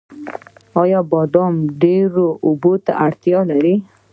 آیا بادام ډیرو اوبو ته اړتیا لري؟